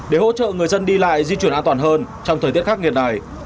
để hỗ trợ người dân đi lại di chuyển an toàn hơn trong thời tiết khắc nghiệt này